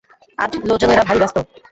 আজ লােজনেরা ভারি ব্যস্ত।